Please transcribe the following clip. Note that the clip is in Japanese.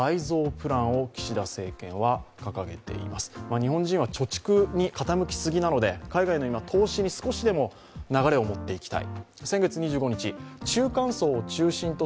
日本人は貯蓄に傾きすぎなので、海外の投資に少しでも今、流れを持って行きたい。